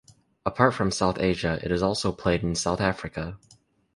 Apart from South Asia, it is also played in South Africa.